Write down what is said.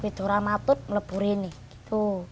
widuramatut melepuri nih